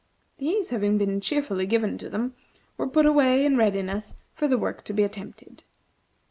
These, having been cheerfully given to them, were put away in readiness for the work to be attempted.